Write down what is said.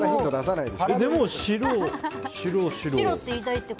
でも、白、白。